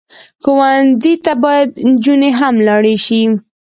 ښوونځی ته باید نجونې هم لاړې شي